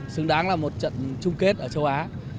xứng đáng là một trận chung kết ở châu á